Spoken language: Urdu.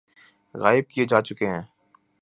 غائب کئے جا چکے ہیں